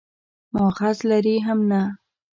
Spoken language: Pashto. مأخذ لري هم نه.